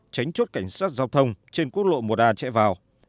tránh chốt cảnh sát giao thông trên quốc lộ một a chạy vào